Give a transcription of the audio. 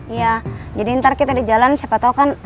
iya jadi ntar kita di jalan siapa tau kan